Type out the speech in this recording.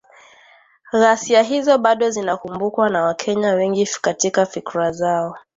“Ghasia hizo bado zinakumbukwa na Wakenya wengi katika fikra zao.